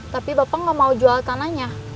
tapi bapak nggak mau jual tanahnya